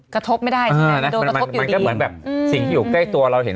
กระทบไม่ได้ใช่ไหมมันก็เหมือนแบบสิ่งที่อยู่ใกล้ตัวเราเห็น